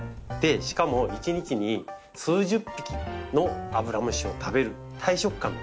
しかも一日に数十匹のアブラムシを食べる大食漢なんですよ。